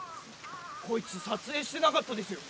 こいつ撮影してなかったですよ。